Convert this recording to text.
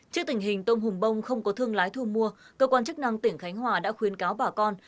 trước tình hình tôm hùm bông không có thương lái thu mua cơ quan chức năng tỉnh khánh hòa đã khuyến cáo bà con